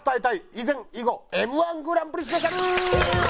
以前以後Ｍ−１グランプリスペシャル！